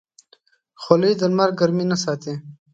خولۍ د لمر ګرمۍ نه ساتي.